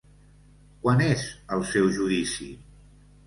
Quan és el seu judici?